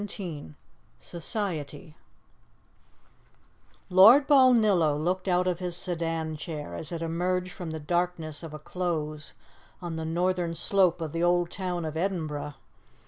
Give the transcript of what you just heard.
CHAPTER XVII SOCIETY LORD BALNILLO looked out of his sedan chair as it emerged from the darkness of a close on the northern slope of the Old Town of Edinburgh.